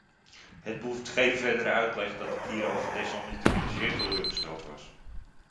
Het behoeft geen verdere uitleg dat ik hierover desalniettemin zeer teleurgesteld was.